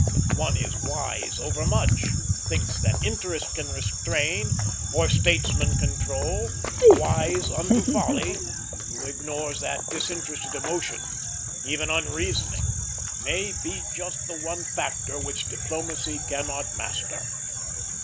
One is wise overmuch who thinks that interest can restrain or statesmen control; wise unto folly who ignores that disinterested emotion, even unreasoning, may be just the one factor which diplomacy cannot master.